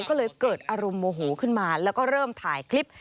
ก็เลยเกิดอารมณ์โมโหขึ้นมาแล้วก็เริ่มถ่ายคลิป